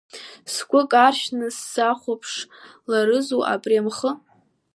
Сгәы каршәны сзахәаԥшларызу абри амхы?